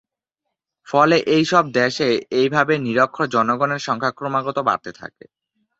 ফলে এইসব দেশে এইভাবে নিরক্ষর জনগণের সংখ্যা ক্রমাগত বাড়তে থাকে।